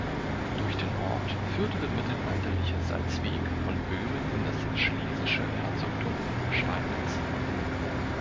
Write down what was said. Durch den Ort führte der mittelalterliche Salzweg von Böhmen in das schlesische Herzogtum Schweidnitz.